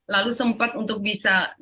lalu sempat untuk bisa lebih berbahagia